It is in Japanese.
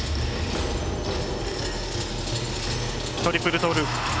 トリプルトーループ。